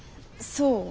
そう？